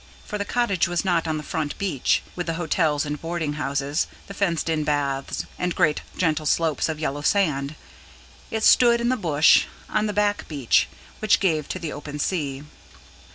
For the cottage was not on the front beach, with the hotels and boarding houses, the fenced in baths and great gentle slope of yellow sand: it stood in the bush, on the back beach, which gave to the open sea.